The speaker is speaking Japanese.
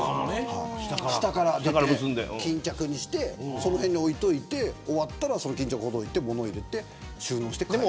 下から結んで巾着にしてその辺に置いておいて巾着をほどいて物を入れて収納する。